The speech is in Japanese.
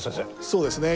そうですね。